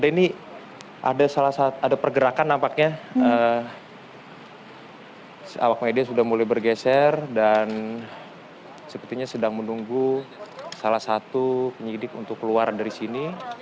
dan ini ada pergerakan nampaknya awak media sudah mulai bergeser dan sepertinya sedang menunggu salah satu penyelidik untuk keluar dari sini